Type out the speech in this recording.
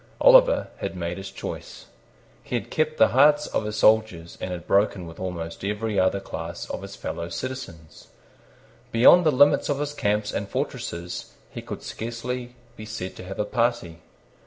Oliver had made his choice. He had kept the hearts of his soldiers, and had broken with almost every other class of his fellow citizens. Beyond the limits of his camps and fortresses he could scarcely be said to have a party.